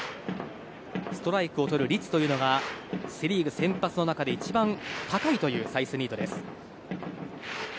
ストライクをとる率というのがセ・リーグ先発の中で一番高いというサイスニード。